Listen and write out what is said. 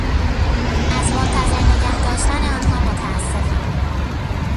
از منتظر نگهداشتن آنها متاسفم.